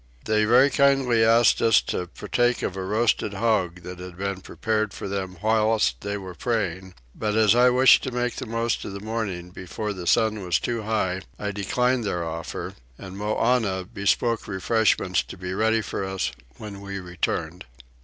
They very kindly asked us to partake of a roasted hog that had been prepared for them whilst they were praying; but as I wished to make the most of the morning before the sun was too high I declined their offer, and Moannah bespoke refreshments to be ready for us when we returned.